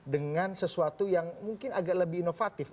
dengan sesuatu yang mungkin agak lebih inovatif